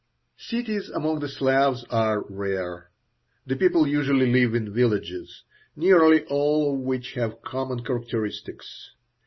Cities among the Slavs are rare; the people usually live in villages, nearly all of which have common characteristics.